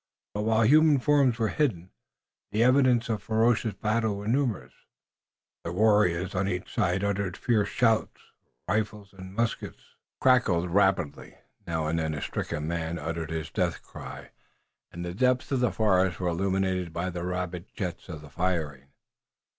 But while human forms were hidden, the evidences of ferocious battle were numerous. The warriors on each side uttered fierce shouts, rifles and muskets crackled rapidly, now and then a stricken man uttered his death cry, and the depths of the forest were illuminated by the rapid jets of the firing.